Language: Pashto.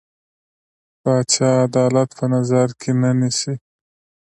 پاچا عدالت په نظر کې نه نيسي.